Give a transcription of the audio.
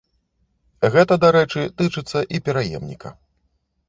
Гэта, дарэчы, тычыцца і пераемніка.